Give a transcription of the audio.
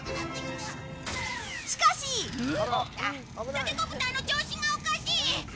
タケコプターの調子がおかしい！